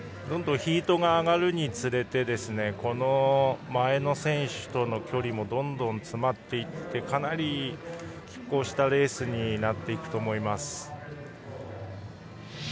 どんどんヒートが上がるにつれて前の選手との距離もどんどん詰まっていってかなりきっ抗したレースになっていくと思います。